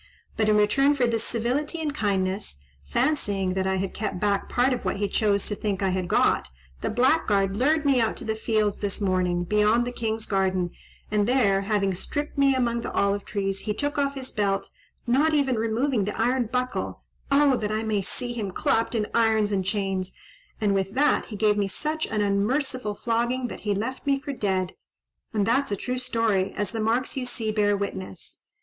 But in return for this civility and kindness, fancying that I had kept back part of what he chose to think I had got, the blackguard lured me out to the fields this morning, beyond the king's garden, and there, having stripped me among the olive trees, he took off his belt, not even removing the iron buckle—oh that I may see him clapped in irons and chains!—and with that he gave me such an unmerciful flogging, that he left me for dead; and that's a true story, as the marks you see bear witness."